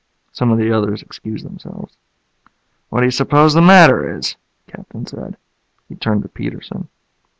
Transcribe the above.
Some of the others excused themselves. "What do you suppose the matter is?" the Captain said. He turned to Peterson.